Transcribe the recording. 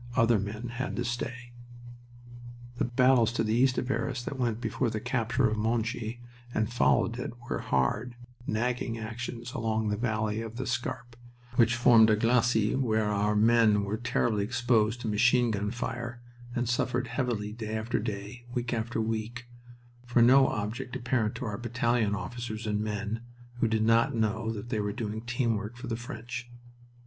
other men had to stay. The battles to the east of Arras that went before the capture of Monchy and followed it were hard, nagging actions along the valley of the Scarpe, which formed a glacis, where our men were terribly exposed to machine gun fire, and suffered heavily day after day, week after week, for no object apparent to our battalion officers and men, who did not know that they were doing team work for the French.